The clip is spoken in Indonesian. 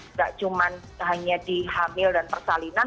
nggak cuma hanya di hamil dan persalinan